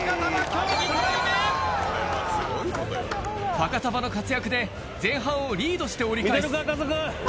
ファカタヴァの活躍で前半をリードして折り返す。